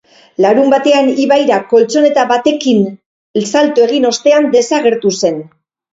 Larunbatean ibaira koltxoneta batekin salto egin ostean desagertu zen.